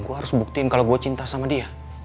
saya harus membuktikan bahwa saya cinta dengan dia